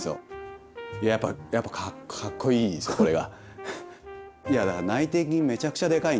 いややっぱかっこいいですこれが。